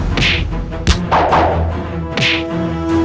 ketika kanda menang kanda menang